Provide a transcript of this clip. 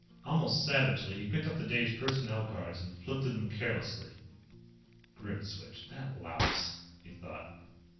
_ Almost savagely, he picked up the day's personnel cards and flipped through them carelessly. Grimswitch, that louse, he thought.